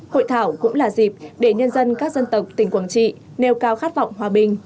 hội thảo cũng là dịp để nhân dân các dân tộc tỉnh quảng trị nêu cao khát vọng hòa bình